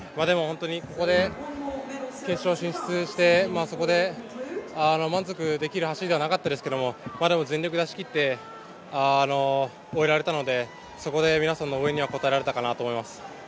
ここで決勝進出してそこで満足できる走りではなかったですけど、でも全力を出し切って終えられたのでそこで皆さんの応援には応えられたと思います。